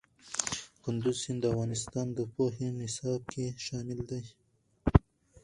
کندز سیند د افغانستان د پوهنې نصاب کې شامل دی.